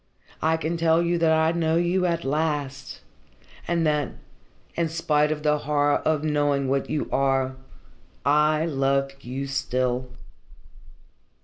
I can tell you that I know you at last, and that, in spite of the horror of knowing what you are, I love you still."